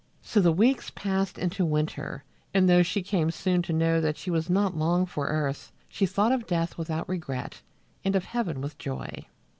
So the weeks passed into winter, and though she came soon to know that she was not long for earth, she thought of death without regret and of heaven with joy.